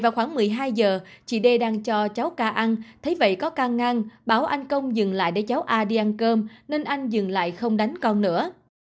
vào khoảng một mươi hai giờ chị d đang cho cháu ca ăn thấy vậy có ca ngang báo anh công dừng lại để cháu a đi ăn cơm nên anh dừng lại không đánh con nữa